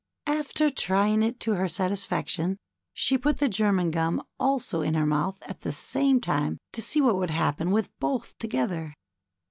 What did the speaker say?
After trying it to her satisfaction, she put the German gum also in her mouth at the same time to see what would hap pen with both together.